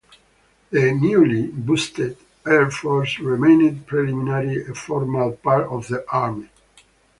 The newly boosted air force remained preliminary a formal part of the army.